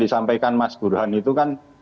disampaikan mas burhan itu kan